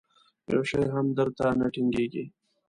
یو شی هم در ته نه ټینګېږي.